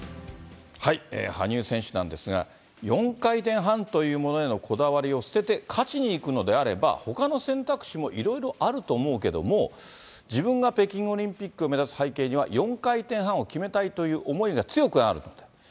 羽生選手なんですが、４回転半というものへのこだわりを捨てて勝ちにいくのであれば、ほかの選択肢もいろいろあると思うけども、自分が北京オリンピックを目指す背景には４回転半を決めたいという思いが強くあると。